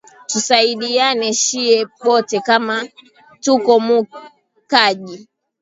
Tusaidiane shiye bote kama tuko mu kaji